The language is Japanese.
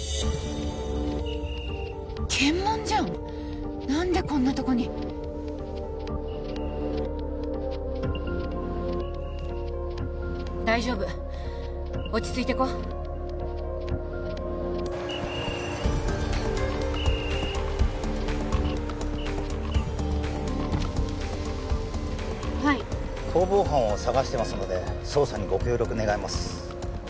検問じゃん何でこんなとこに大丈夫落ち着いてこはい逃亡犯を捜してますので捜査にご協力願います